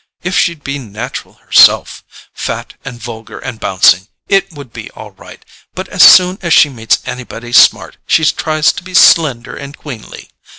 If she'd be natural herself—fat and vulgar and bouncing—it would be all right; but as soon as she meets anybody smart she tries to be slender and queenly.